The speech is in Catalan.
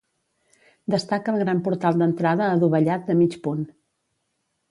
Destaca el gran portal d'entrada adovellat de mig punt.